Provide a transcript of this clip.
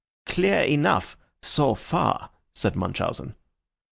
"Clear enough so far," said Munchausen.